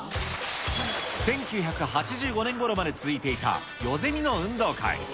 １９８５年ごろまで続いていた代ゼミの運動会。